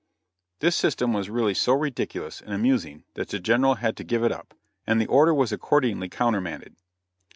This system was really so ridiculous and amusing that the General had to give it up, and the order was accordingly countermanded.